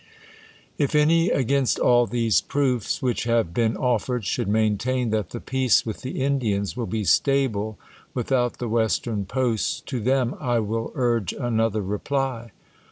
IF any, against all these proofs which have been offered, should maintain that the peace with the Indians will be stable without the Western Posts, to them I will urge another reply.